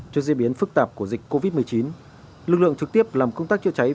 trước diễn biến phức tạp của dịch covid một mươi chín lực lượng trực tiếp làm công tác chữa cháy